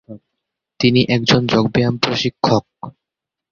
তিনি একজন যোগব্যায়াম প্রশিক্ষক।